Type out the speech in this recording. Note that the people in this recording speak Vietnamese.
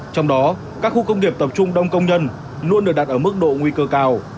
trong đó các khu công nghiệp tập trung đông công nhân luôn được đặt ở mức độ nguy cơ cao